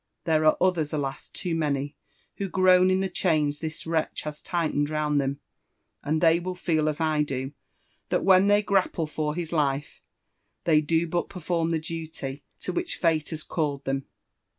There are others — alas, too many 1 — who groan in the chains this wretch has tightened round them, and they will feel as I do, that when they grapple for his life, they do but perform the duty to which fate has called them.